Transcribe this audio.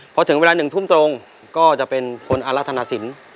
พอถึงเวลา๑ทุ่มตรงก็จะเป็นคนอารัตนสิน